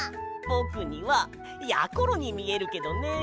ぼくにはやころにみえるけどね。